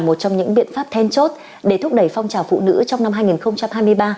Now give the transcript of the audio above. một trong những biện pháp then chốt để thúc đẩy phong trào phụ nữ trong năm hai nghìn hai mươi ba